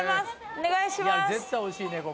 お願いします。